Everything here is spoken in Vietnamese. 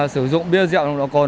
sử dụng bia rượu lọt cồn